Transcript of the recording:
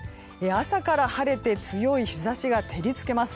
朝から晴れて強い日差しが照り付けます。